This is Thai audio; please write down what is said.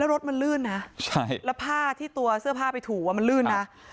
แล้วรถมันลื่นนะใช่แล้วผ้าที่ตัวเสื้อผ้าไปถูว่ามันลื่นนะครับ